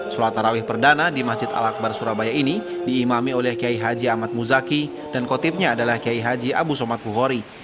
sholat tarawih perdana di masjid al akbar surabaya ini diimami oleh kiai haji ahmad muzaki dan kotipnya adalah kiai haji abu somad bukhori